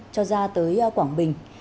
cho ra tới quảng bình